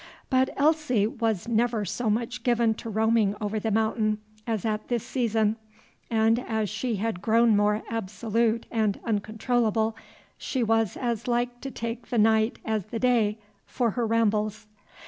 But Elsie was never so much given to roaming over The Mountain as at this season; and as she had grown more absolute and uncontrollable, she was as like to take the night as the day for her rambles.